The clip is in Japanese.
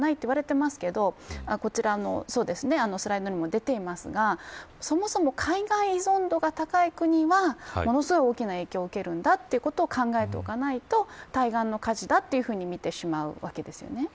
やはり、日本はロシアにあんまり依存度が高くないと言われていますがスライドにも出ていますがそもそも海外依存度が高い国はものすごく大きな影響を受けるんだということを考えておかないと対岸の火事だと見てしまうわけです。